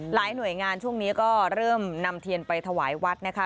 หน่วยงานช่วงนี้ก็เริ่มนำเทียนไปถวายวัดนะคะ